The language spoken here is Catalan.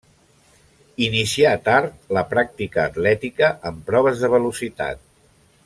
Inicià tard la pràctica atlètica en proves de velocitat.